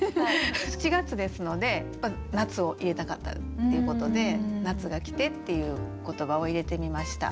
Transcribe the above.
７月ですので「夏」を入れたかったっていうことで「夏が来て」っていう言葉を入れてみました。